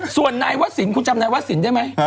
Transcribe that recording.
ส่วนของนายวัศษีนคุณจำนายวัศษีนได้ไหม